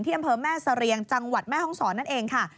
อำเภอแม่เสรียงจังหวัดแม่ห้องศรนั่นเองค่ะ